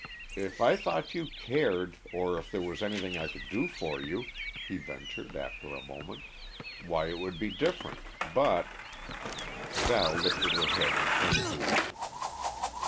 "If I thought you cared or if there was anything I could do for you," he ventured, after a moment, "why, it would be different. But " Val lifted her head and turned to him.